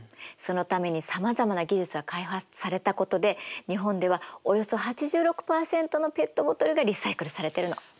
そのためにさまざまな技術が開発されたことで日本ではおよそ８６％のペットボトルがリサイクルされてるの。